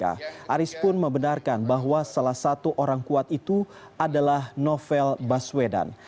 aris pun membenarkan bahwa salah satu orang kuat itu adalah novel baswedan